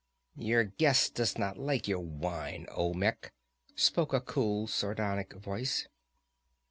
"Your guest does not like your wine, Olmec," spoke a cool, sardonic voice.